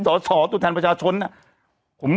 สอสอตุแทนประชาชนน่ะ